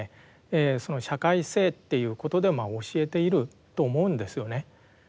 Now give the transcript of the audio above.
社会性っていうことでまあ教えていると思うんですよね。